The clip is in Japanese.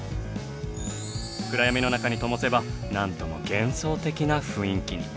暗闇の中にともせばなんとも幻想的な雰囲気に。